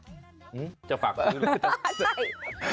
อื้มจะฝากคุณเลย